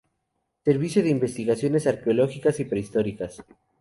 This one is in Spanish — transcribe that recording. Servicio de Investigaciones Arqueológicas y Prehistóricas.